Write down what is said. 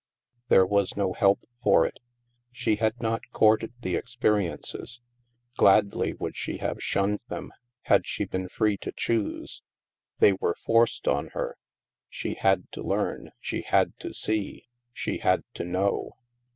There was no help for it. She had not courted the experiences. Gladly would she have shunned them, had she been free to choose. They were forced on her. She had to learn. She had to see. She had to know.